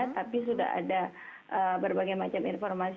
tapi sudah ada berbagai macam informasi